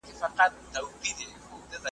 زما سرزوره لیونیه چې په کوم لار راغلې؟